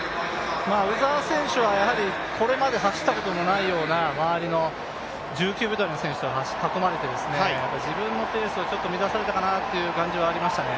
鵜澤選手は、これまで走ったことのないような、周りの１９秒台の選手に囲まれて自分のペースをちょっと乱されたかなという感じはありましたね。